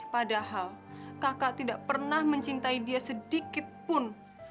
padahal kakak tidak pernah mencintai dia sedikitpun